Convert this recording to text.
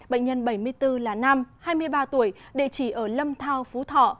bệnh nhân bảy mươi bốn là nam hai mươi ba tuổi địa chỉ ở lâm thao phú thọ